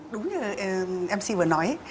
đúng như mc vừa nói